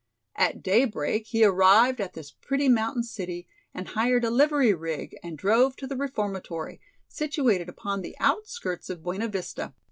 At day break he arrived at this pretty mountain city and hired a livery rig and drove to the reformatory, situated upon the outskirts of Buena Vista.